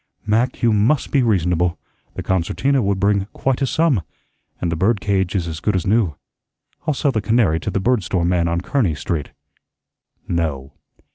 "Mac, you MUST be reasonable. The concertina would bring quite a sum, and the bird cage is as good as new. I'll sell the canary to the bird store man on Kearney Street." "No."